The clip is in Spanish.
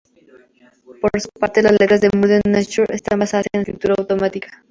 Por su parte, las letras en "Murder Nature" están basadas en la escritura automática.